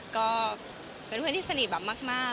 ก็เป็นเพื่อนที่สนิทแบบมาก